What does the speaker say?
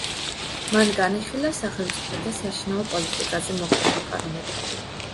მან განიხილა სახელმწიფოთა საშინაო პოლიტიკაზე მოქმედი პარამეტრები.